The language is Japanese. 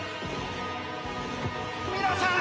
皆さん！